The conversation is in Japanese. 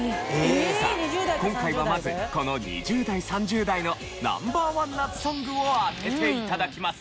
さあ今回はまずこの２０代３０代のＮｏ．１夏ソングを当てて頂きます。